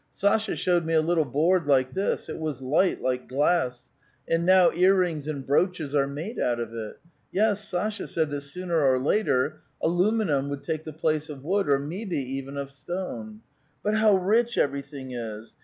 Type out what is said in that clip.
Sasha showed me a little board like this ; it was liglit, like glass ; and now ear rings and brooches are made out of it. Yes, Sasha said that sooner or later aluminum would take the place of wood, or maybe even of stone. But how rich every thing is